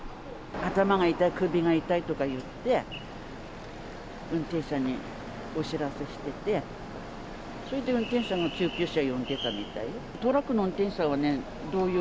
頭が痛い、首が痛いとか言って、運転手さんにお知らせしてて、それで運転手さんが救急車呼んでたみたいよ。